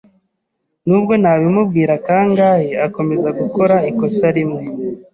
Nubwo nabimubwira kangahe, akomeza gukora ikosa rimwe.